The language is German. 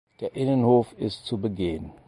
Der Innenhof ist zu begehen.